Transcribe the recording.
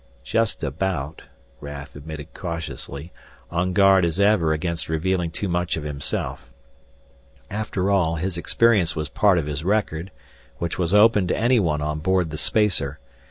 "Just about," Raf admitted cautiously, on guard as ever against revealing too much of himself. After all, his experience was part of his record, which was open to anyone on board the spacer.